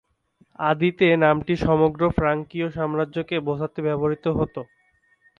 আদিতে নামটি সমগ্র ফ্রাঙ্কীয় সাম্রাজ্যকে বোঝাতে ব্যবহৃত হত।